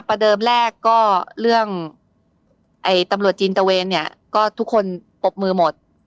ประเดิมแรกก็เรื่องตำรวจจีนตะเวนเนี่ยก็ทุกคนปรบมือหมด